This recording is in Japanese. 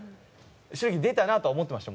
正直、出たなと思ってました。